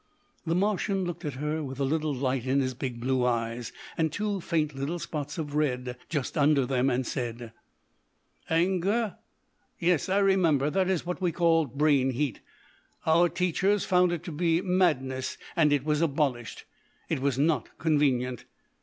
The Martian looked at her with a little light in his big blue eyes, and two faint little spots of red just under them, and said: "Anger! Yes, I remember, that is what we called brain heat. Our teachers found it to be madness and it was abolished. It was not convenient.